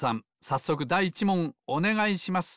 さっそくだい１もんおねがいします。